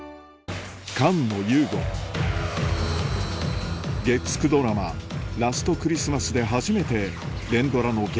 菅野祐悟月９ドラマ『ラストクリスマス』で初めて連ドラの劇